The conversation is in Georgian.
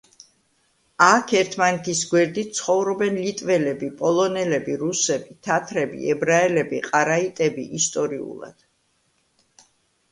აქ ერთმანეთის გვერდით ცხოვრობენ ლიტველები, პოლონელები, რუსები, თათრები, ებრაელები, ყარაიტები ისტორიულად.